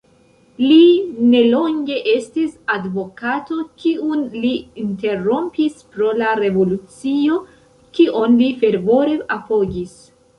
Li nelonge estis advokato, kiun li interrompis pro la revolucio, kion li fervore apogis.